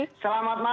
selamat malam mbak